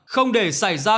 không để xảy ra